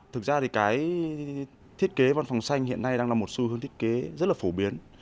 thực ra thì cái thiết kế văn phòng xanh hiện nay đang là một xu hướng thiết kế rất là phổ biến